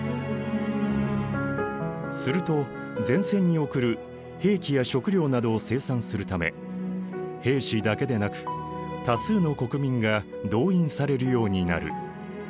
すると前線に送る兵器や食料などを生産するため兵士だけでなく多数の国民が動員されるようになる。